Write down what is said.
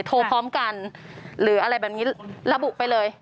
พร้อมกันหรืออะไรแบบนี้ระบุไปเลย